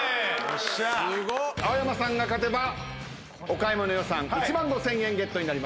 青山さんが勝てばお買い物予算１万５，０００円ゲットになります。